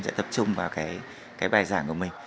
sẽ tập trung vào bài giảng của mình